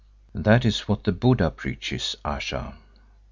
"That is what the Buddha preaches, Ayesha."